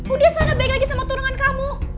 udah sana baik lagi sama turunan kamu